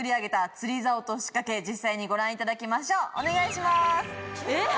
お願いします。